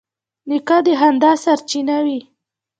نیکه د خندا سرچینه وي.